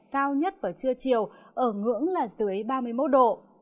cao nhất vào trưa chiều ở ngưỡng là dưới ba mươi một độ